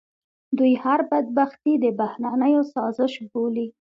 دوی هر بدبختي د بهرنیو سازش بولي.